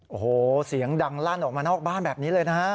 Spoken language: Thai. โอ้โหเสียงดังลั่นออกมานอกบ้านแบบนี้เลยนะฮะ